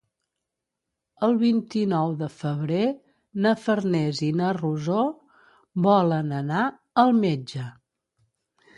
El vint-i-nou de febrer na Farners i na Rosó volen anar al metge.